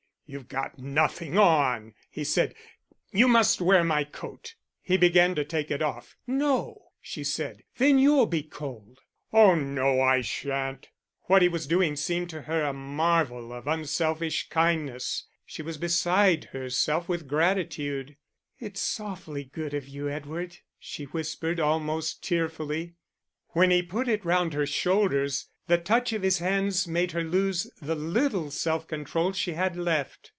"You've got nothing on," he said. "You must wear my coat." He began to take it off. "No," she said, "then you'll be cold." "Oh no, I shan't." What he was doing seemed to her a marvel of unselfish kindness; she was beside herself with gratitude. "It's awfully good of you, Edward," she whispered, almost tearfully. When he put it round her shoulders, the touch of his hands made her lose the little self control she had left.